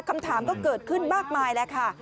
คำถามก็เกิดขึ้นมากมายแล้วค่ะ